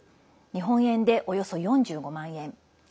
日本円で、およそ４５万円。